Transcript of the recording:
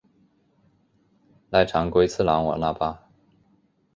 濑长龟次郎我那霸。